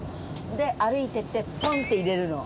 で歩いてってポンッて入れるの。